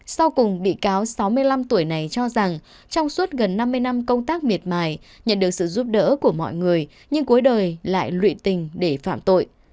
sau cùng bị cáo sáu mươi năm tuổi này cho rằng trong suốt gần năm mươi năm công tác miệt mài nhận được sự giúp đỡ của mọi người nhưng cuối đời lại lụy tình để phạm tội